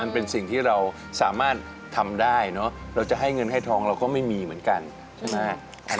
เป็นสิ่งที่เราสามารถทำได้เนอะเราจะให้เงินให้ทองเราก็ไม่มีเหมือนกันใช่ไหม